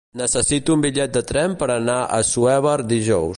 Necessito un bitllet de tren per anar a Assuévar dijous.